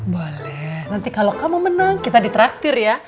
boleh nanti kalau kamu menang kita di traktir ya